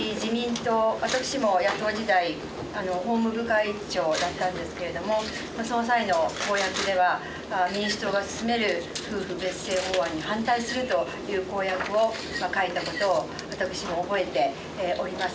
私も野党時代法務部会長だったんですけれどもその際の公約では民主党が進める夫婦別姓法案に反対するという公約を書いたことを私も覚えております。